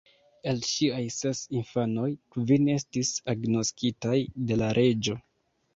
El ŝiaj ses infanoj, kvin estis agnoskitaj de la reĝo.